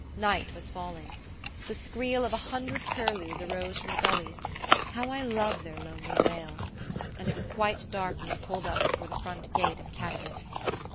Night was falling. The skreel of a hundred curlews arose from the gullies how I love their lonely wail! and it was quite dark when we pulled up before the front gate of Caddagat.